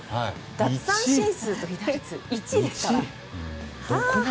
奪三振数、被打率が１位ですから。